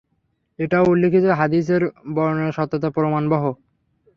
এটাও উল্লেখিত হাদীসের বর্ণনার সত্যতার প্রমাণবহ।